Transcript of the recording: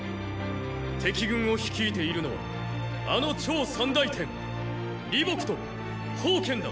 敵軍を率いているのはあの趙三大天李牧と煖だ。